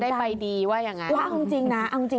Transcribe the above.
ให้เธอได้ไปดีว่าอย่างนั้น